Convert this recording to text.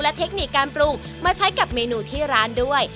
และเทคนิคการปรุงมาใช้กับเมนูที่ร้านด้วย